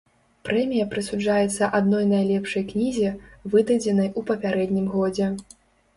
Прэмія прысуджаецца адной найлепшай кнізе, выдадзенай у папярэднім годзе.